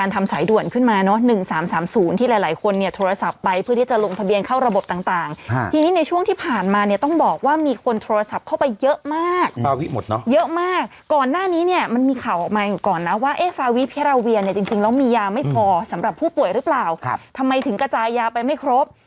เยอะมากก่อนหน้านี้เนี่ยมันมีข่าวออกมาอยู่ก่อนนะว่าเอ๊ะฟาวิพิราเวียเนี่ยจริงแล้วมียาไม่พอสำหรับผู้ป่วยหรือเปล่าครับทำไมถึงกระจายยาไปไม่ครบ